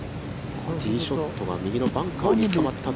ティーショットが右のバンカーにつかまったと。